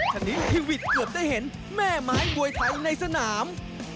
ชนิดพี่วิทย์เกือบได้เห็นแม่ไม้มวยไทยในสนาม